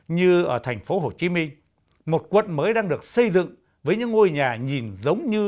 như ở thành phố hồ chí minh một quận mới đang được xây dựng với những ngôi nhà nhìn giống như